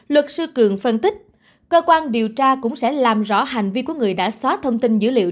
luật sư cường phân tích cơ quan điều tra cũng sẽ làm rõ hành vi của người đã xóa thông tin dữ liệu